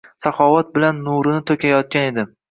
Saxovat bilan nurini toʻkayotgan edi